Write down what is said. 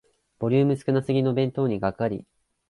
ボリューム少なすぎの弁当にがっかり